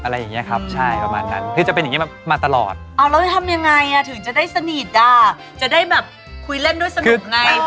อย่าถึงจะได้สนิทจะได้คุยเล่นด้วยสนุกในผู้หญิงคนนุ่มผู้ชมทางบ้าน